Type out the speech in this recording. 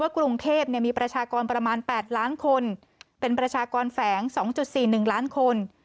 ว่ากรุงเทพเนี่ยมีประชากรประมาณแปดล้านคนเป็นประชากรแฝงสองจุดสี่หนึ่งล้านคน